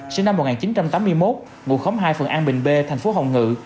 sinh năm một nghìn chín trăm tám mươi một ngụ khống hai phương an bình bê thành phố hồng ngự